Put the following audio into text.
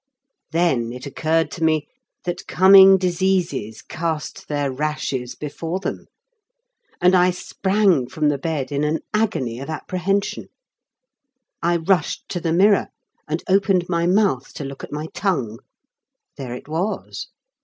Then it occurred to me that coming diseases cast their rashes before them, and I sprang from the bed in an agony of apprehension. I rushed to the mirror and opened my mouth to look at my tongue. There it was.